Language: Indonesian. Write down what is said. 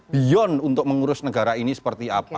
beyond untuk mengurus negara ini seperti apa